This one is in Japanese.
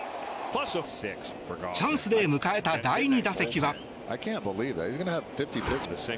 チャンスで迎えた第２打席は。